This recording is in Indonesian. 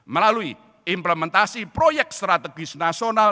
melalui implementasi proyek strategis nasional